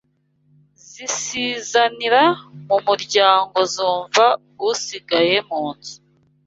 Zisizanira mu muryango zumva usigaye mu nzu